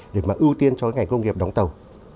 để mà ưu tiên cho cái ngành công nghiệp đóng tàu